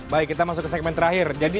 baik kita masuk ke segmen terakhir